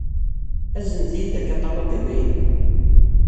Aznet-iyi-d akaṭalug amaynu.